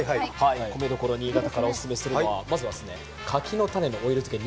米どころ新潟からオススメするのは、まずは柿の種のオイル漬け。